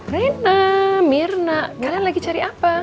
rena mirna kalian lagi cari apa